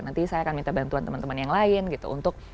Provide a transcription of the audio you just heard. nanti saya akan minta bantuan teman teman yang lain gitu untuk